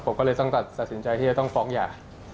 ผมก็เลยต้องตัดสินใจที่จะต้องฟ้องหย่า